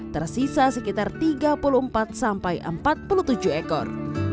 tersisa sekitar tiga puluh empat sampai empat puluh tujuh ekor